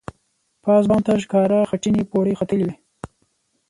پاس بام ته ښکاره خټینې پوړۍ ختلې وې.